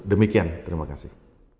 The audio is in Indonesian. demikian terima kasih